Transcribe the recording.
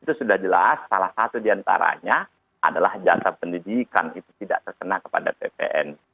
itu sudah jelas salah satu diantaranya adalah jasa pendidikan itu tidak terkena kepada ppn